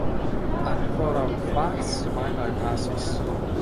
Ankoraŭ kvar semajnoj pasis.